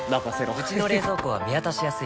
うちの冷蔵庫は見渡しやすい